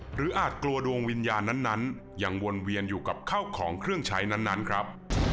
อาจกลัวดวงวิญญาณนั้นยังวนเวียนอยู่กับข้าวของเครื่องใช้นั้นครับ